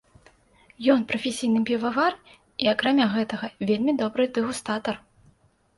Ён прафесійны півавар і, акрамя гэтага, вельмі добры дэгустатар.